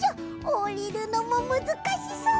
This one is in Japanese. おりるのもむずかしそう！